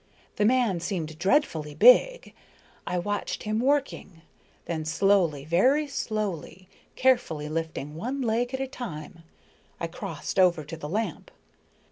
The man seemed dreadfully big. I watched him working. Then, slowly, very slowly, carefully lifting one leg at a time, I crossed over to the lamp.